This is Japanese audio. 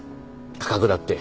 価格だって。